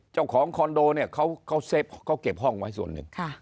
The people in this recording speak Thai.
คอนโดเนี่ยเขาเซฟเขาเก็บห้องไว้ส่วนหนึ่ง